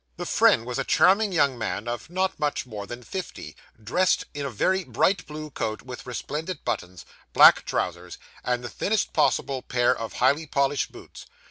The friend was a charming young man of not much more than fifty, dressed in a very bright blue coat with resplendent buttons, black trousers, and the thinnest possible pair of highly polished boots.